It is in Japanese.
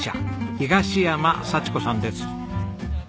東山早智子さんです。